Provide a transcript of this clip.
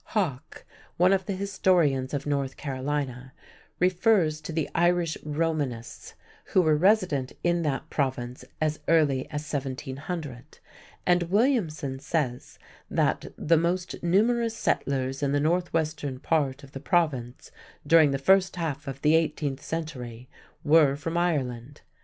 Hawk, one of the historians of North Carolina, refers to the "Irish Romanists" who were resident in that Province as early as 1700, and Williamson says that "the most numerous settlers in the northwestern part of the Province during the first half of the eighteenth century were from Ireland."